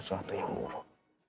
suatu yang buruk